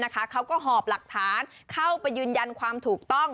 เขาก็หอบหลักฐานเข้าไปยืนยันความถูกต้อง